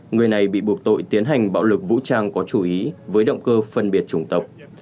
người này bị buộc tội tiến hành bạo lực vũ trang có chú ý với động cơ phân biệt chủng tộc